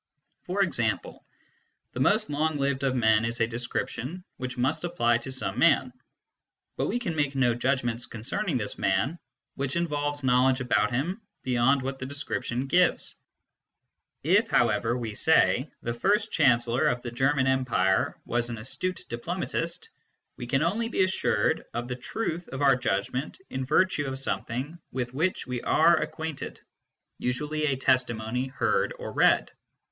For example, " the most long lived of men is a description which must apply to some man, but we can make no judgments concerning this man which involve knowledge about him beyond what the description gives. ; If, however, we say, " the first Chancellor of the German Empire was an astute diplo matist," we can only be assured of the truth of our judgment in virtue of something with which we are acquainted usually a testimony heard or read.